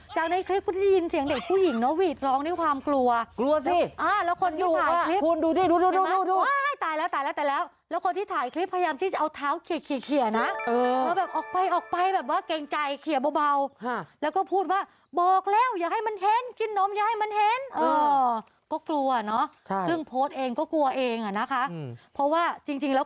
จากในคลิปก็ได้ยินเสียงเด็กผู้หญิงเนอะวีดร้องได้ความกลัว